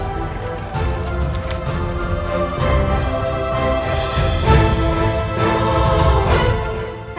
sampai jumpa lagi